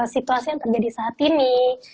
situasi yang terjadi saat ini